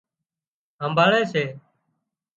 هانمڀۯي سي